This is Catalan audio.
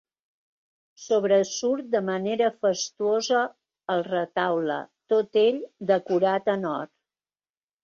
Sobresurt de manera fastuosa el retaule, tot ell decorat en or.